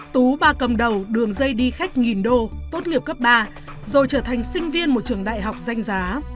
tú ba cầm đầu đường dây đi khách nghìn đô tốt nghiệp cấp ba rồi trở thành sinh viên một trường đại học danh giá